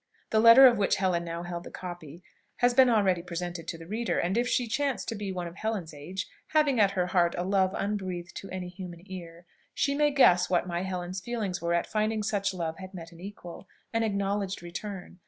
The letter of which Helen now held the copy has been already presented to the reader; and if she chance to be one of Helen's age, having at her heart a love unbreathed to any human ear, she may guess what my Helen's feelings were at finding such love had met an equal, an acknowledged return.